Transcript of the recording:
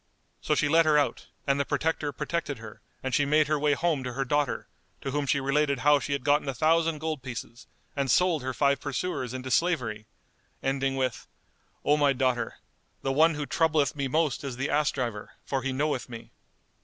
So she let her out, and the Protector protected her and she made her way home to her daughter, to whom she related how she had gotten a thousand gold pieces and sold her five pursuers into slavery, ending with, "O my daughter, the one who troubleth me most is the ass driver, for he knoweth me."